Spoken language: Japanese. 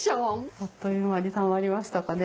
あっという間にたまりましたかね。